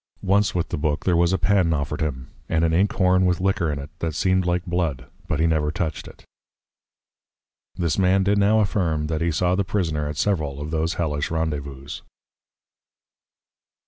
Once with the Book, there was a Pen offered him, and an Ink horn with Liquor in it, that seemed like Blood: But he never toucht it. This Man did now affirm, That he saw the Prisoner at several of those hellish Randezvouzes.